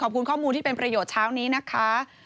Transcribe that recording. ขอบคุณข้อมูลที่เป็นประโยชน์เช้านี้นะคะ